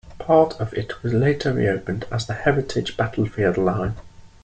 Part of it was later reopened as the heritage Battlefield Line.